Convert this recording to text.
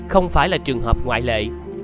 không phải là trường hợp ngoại lệ